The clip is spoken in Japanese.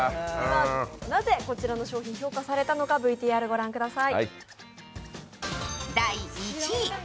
なぜこちらの商品、評価されたのか、こちらのＶＴＲを御覧ください。